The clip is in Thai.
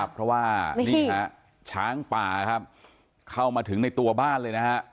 เพราะว่านี่ฮะช้างป่าครับเข้ามาถึงในตัวบ้านเลยนะฮะ